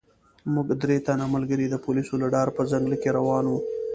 موږ درې تنه ملګري د پولیسو له ډاره په ځنګله کې روان وو.